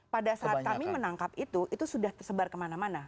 pada saat kami menangkap itu itu sudah tersebar kemana mana